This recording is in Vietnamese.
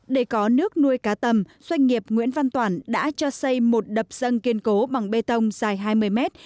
để có nước nuôi cá tầm doanh nghiệp nguyễn văn toản đã cho xây một đập dân kiên cố bằng bê tông dài hai mươi mét